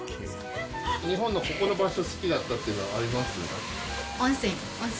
日本のここの場所、好きだったっていうのはあります？